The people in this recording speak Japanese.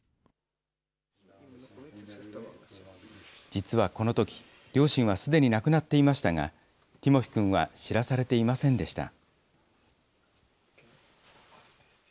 実はこのとき、両親はすでに亡くなっていましたが、ティモフィ君は知らされていませんでした。